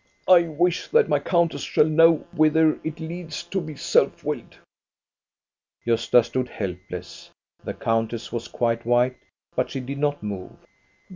I wish that my countess shall know whither it leads to be self willed." Gosta stood helpless. The countess was quite white; but she did not move.